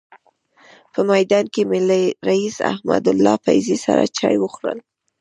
په میدان کې مې له رئیس احمدالله فیضي سره چای وخوړل.